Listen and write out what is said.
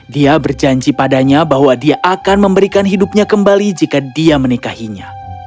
dia berjanji padanya bahwa dia akan memberikan hidupnya kembali jika dia menikahinya